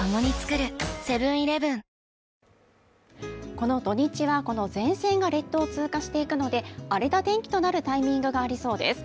この土日はこの前線が列島を通過していくので荒れた天気となるタイミングがありそうです。